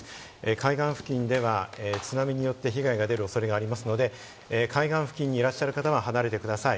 海岸付近では、津波によって被害が出る恐れがありますので、海岸付近にいらっしゃる方は離れてください。